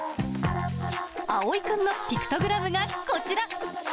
葵生くんのピクトグラムがこちら。